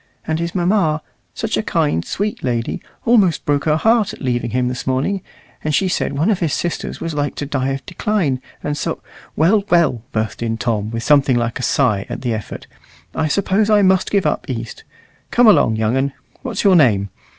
And his mamma such a kind, sweet lady almost broke her heart at leaving him this morning; and she said one of his sisters was like to die of decline, and so " "Well, well," burst in Tom, with something like a sigh at the effort, "I suppose I must give up East. Come along, young un. What's your name?